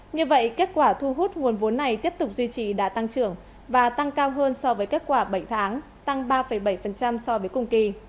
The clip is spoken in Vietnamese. như vậy kết quả thu hút nguồn vốn này tiếp tục duy trì đã tăng trưởng và tăng cao hơn so với kết quả bảy tháng tăng ba bảy so với cùng kỳ